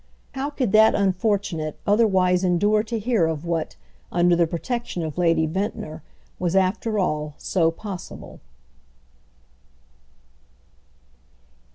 How could that unfortunate otherwise endure to hear of what, under the protection of Lady Ventnor, was after all so possible.